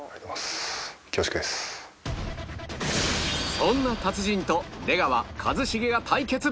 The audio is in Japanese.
そんな達人と出川一茂が対決